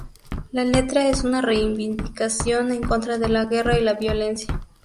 La letra es una reivindicación en contra de la guerra y la violencia.